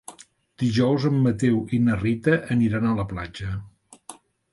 Dijous en Mateu i na Rita aniran a la platja.